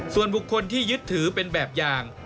ส่วนบุคคลที่ยึดถือเป็นแบบอย่าง